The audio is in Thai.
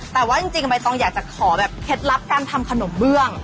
แต่ว่าจริงใบตองอยากจะขอแบบเคล็ดลับการทำขนมเบื้อง